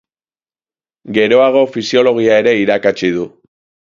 Geroago Fisiologia ere irakatsi du.